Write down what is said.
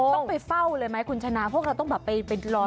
ไม่ต้องไปเฝ้าเลยมั้ยคุณชนะเพราะต้องไปรอหน้าร้าน